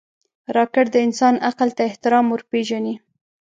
راکټ د انسان عقل ته احترام ورپېژني